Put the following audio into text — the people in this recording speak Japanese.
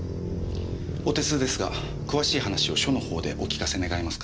お手数ですが詳しい話を署のほうでお聞かせ願えますか？